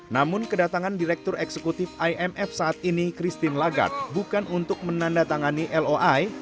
namun kedatangan direktur eksekutif imf saat ini christine lagarde bukan untuk menandatangani loi